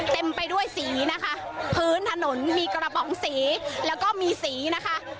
เต็มไปด้วยสีนะคะพื้นถนนมีกระป๋องสีแล้วก็มีสีนะคะ